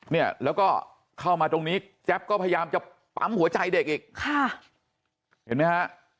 เนี่ยแล้วก็เข้ามาตรงนี้แจ๊บก็พยายามจะปั๊มหัวใจเด็กอีกค่ะเห็นไหมฮะ